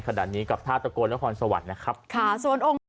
ขนาดนี้กับภาพตะโกและคอนสวรรค์นะครับส่วนองค์